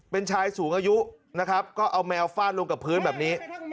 เป็นชายสูงอายุนะครับก็เอาแมวฟาดลงกับพื้นแบบนี้